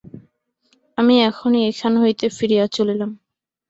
আমি এখনই এখান হইতে ফিরিয়া চলিলাম।